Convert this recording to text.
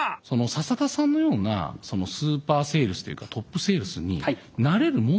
笹田さんのようなそのスーパーセールスというかトップセールスになれるもんなんですか？